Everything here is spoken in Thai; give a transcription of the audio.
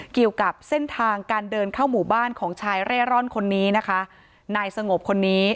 เกี่ยวกับเส้นทางการเดินเข้าหมู่บ้านของชายเร่ร่อนคนนี้นะคะนายสงบคนนี้